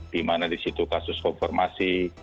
di mana di situ kasus konfirmasi